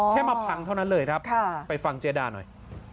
อ๋อแค่มาพังเท่านั้นเลยนะครับค่ะไปฟังเจดาหน่อย